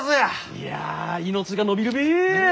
いや命が延びるべえ！